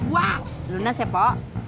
wah lunas ya po